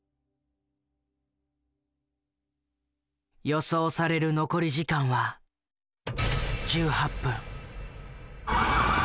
予想される残り時間は１８分。